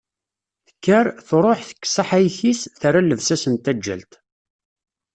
Tekker, tṛuḥ, tekkes aḥayek-is, terra llebsa-s n taǧǧalt.